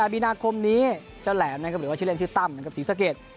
๒๘บินาคมนี้เจ้าแหลมหรือว่าชื่อเล่นชื่อตั้มเหมือนกับศรีสะเกด